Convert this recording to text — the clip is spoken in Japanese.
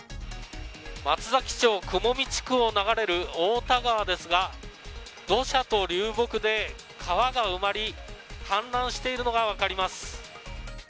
松崎町雲見地区を流れる太田川ですが、土砂と流木で川が埋まり、氾濫しているのが分かります。